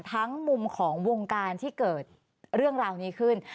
มุมของวงการที่เกิดเรื่องราวนี้ขึ้น